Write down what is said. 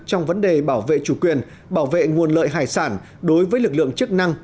trong vấn đề bảo vệ chủ quyền bảo vệ nguồn lợi hải sản đối với lực lượng chức năng